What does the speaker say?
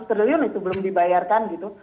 ada seratus triliun itu belum dibayarkan gitu